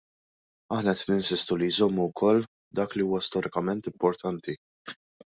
Aħna qed ninsistu li jżommu wkoll dak li huwa storikament importanti.